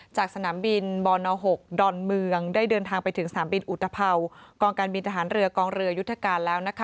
จากสนามบินบอนหกด่อนเมืองได้เดินทางไปถึงสนามบินอุตภเผ่ากว้างการบินทหารเรือกองเรือยุทธกาล